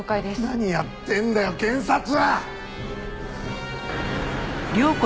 何やってんだよ検察は！